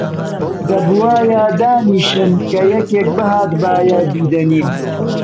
دەبوایە دانیشم کە یەکێک بهاتبایە دیدەنیم